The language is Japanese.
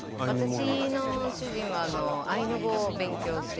私の主人はアイヌ語を勉強してて。